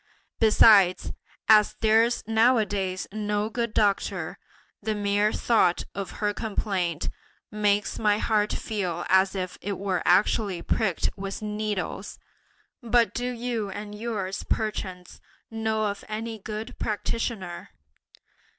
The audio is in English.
Besides, as there's nowadays no good doctor, the mere thought of her complaint makes my heart feel as if it were actually pricked with needles! But do you and yours, perchance, know of any good practitioner?"